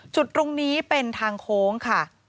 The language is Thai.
จุดตรงนี้เป็นทางโค้งค่ะ